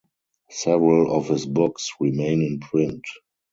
Several of his books remain in print.